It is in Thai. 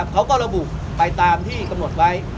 เขาก็ระบุภารกิจสำรวจไว้